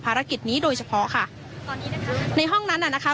ภารกิจนี้โดยเฉพาะค่ะตอนนี้นะคะในห้องนั้นน่ะนะคะ